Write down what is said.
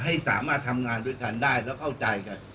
ให้สามารถทำงานด้วยกันได้แล้วเข้าใจกัน